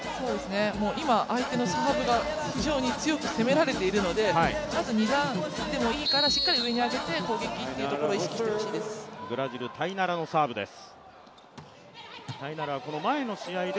今相手のサーブが非常に強く攻められているので、まずしっかり上に上げて、攻撃というところを意識してほしいです。